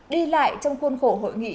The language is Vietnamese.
đi lại trong khuôn khổ hội nghị